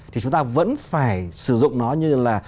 thì chúng ta vẫn phải sử dụng nó như là